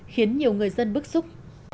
khiến nhiều người dân bức xúc